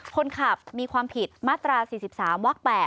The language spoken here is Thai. คนขับมีความผิดมาตรา๔๓วัก๘